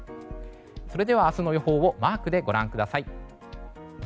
それでは明日の予報をマークでご覧ください。